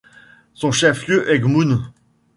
Son chef-lieu est Gmünd.